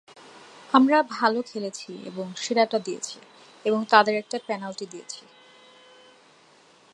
আমরা ভালো খেলেছি এবং সেরাটা দিয়েছি এবং তাদের একটা পেনাল্টি দিয়েছি।